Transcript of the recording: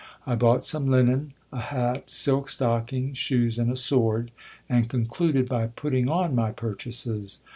I bought some linen, a hat, silk stockings, shoes, and a sword ; and concluded by putting on my purchases.